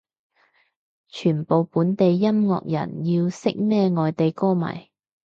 全部本地音樂人要識咩外國歌迷